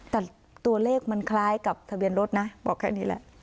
แต่ตัวเลขมันคล้ายกับทะเบียนรถนะบอกแค่นี้แหละ